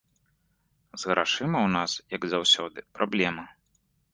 З грашыма ў нас, як заўсёды, праблема.